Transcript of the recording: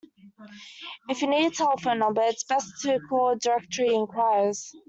If you need a telephone number, it’s best to call directory enquiries